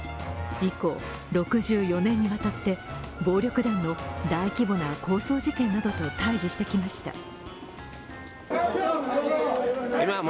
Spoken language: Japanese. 以降、６４年にわたって暴力団の大規模な抗争事件などと対峙してきました。